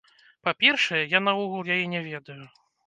Па-першае, я наогул яе не ведаю.